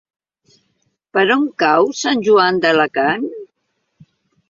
Per on cau Sant Joan d'Alacant?